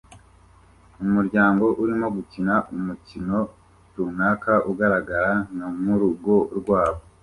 umuryango urimo gukina umukino runaka ugaragara nka murugo rwabo